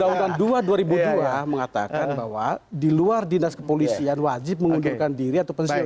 undang undang dua dua ribu dua mengatakan bahwa di luar dinas kepolisian wajib mengundurkan diri atau pensiun